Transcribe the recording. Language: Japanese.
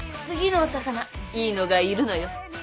次のオサカナいいのがいるのよ。